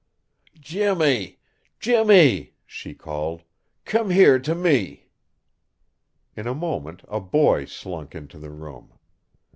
"Jimmy! Jimmy!" she called. "Come here to me." In a moment a boy slunk into the room.